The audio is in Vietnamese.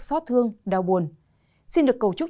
xót thương đau buồn xin được cầu chúc